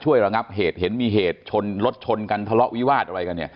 ช่วยระงับเหตุเห็นมีเหตุชนรถชนกันทะเลาะวิวาส